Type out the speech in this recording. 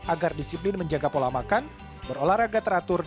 agar disiplin menjaga pola makan berolahraga teratur